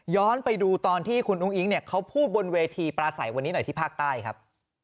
ไปดูตอนที่คุณอุ้งอิ๊งเนี่ยเขาพูดบนเวทีปลาใสวันนี้หน่อยที่ภาคใต้ครับ